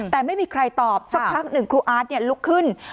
แต่ไม่มีใครตอบสักพักหนึ่งครูอาร์ตลุกขึ้น